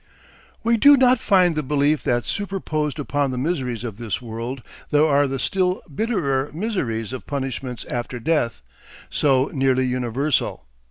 We do not find the belief that superposed upon the miseries of this world there are the still bitterer miseries of punishments after death, so nearly universal.